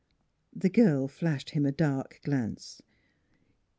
The girl flashed him a dark glance.